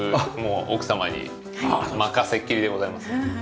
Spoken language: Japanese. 奥様に任せっきりでございます。